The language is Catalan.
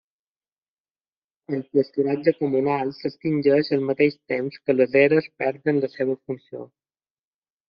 El pasturatge comunal s'extingeix al mateix temps que les eres perden la seva funció.